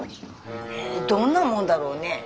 へえどんなもんだろうね。